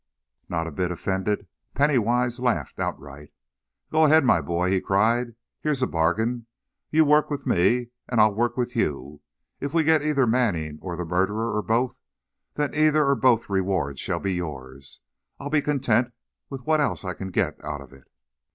Not a bit offended, Penny Wise laughed outright. "Go ahead, my boy," he cried; "here's a bargain; you work with me, and I'll work with you. If we get either Manning or the murderer or both, then either or both rewards shall be yours. I'll be content with what else I can get out of it."